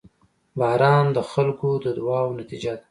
• باران د خلکو د دعاوو نتیجه ده.